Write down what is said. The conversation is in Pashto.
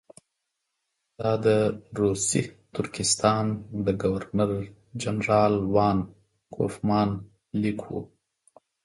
دا د روسي ترکستان د ګورنر جنرال وان کوفمان لیک وو.